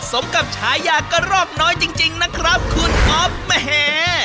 สมกับชายาก็รอบน้อยจริงนะครับคุณออฟมหา